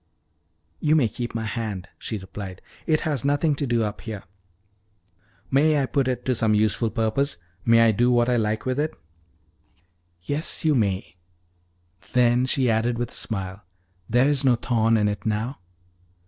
"You may keep my hand," she replied; "it has nothing to do up here." "May I put it to some useful purpose may I do what I like with it?" "Yes, you may," then she added with a smile: "There is no thorn in it now."